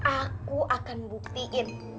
aku akan buktiin